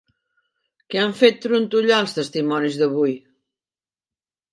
Què han fet trontollar els testimonis d'avui?